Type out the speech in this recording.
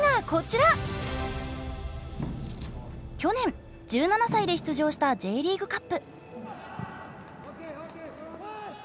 去年１７歳で出場したＪリーグカップ。